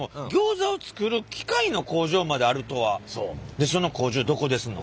でその工場どこですの？